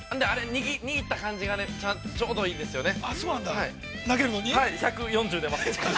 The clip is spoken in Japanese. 握った感じがちょうどいいんですよね。